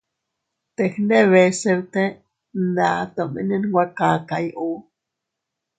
Teg ndebe se bte nda tomene nwe kakay u.